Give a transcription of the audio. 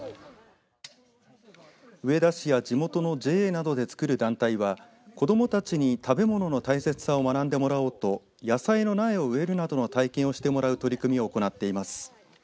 上田市や地元のＪＡなどでつくる団体は子どもたちに食べ物の大切さを学んでもらおうと野菜の苗を植えるなどの体験をしてもらう取り組みを行っています。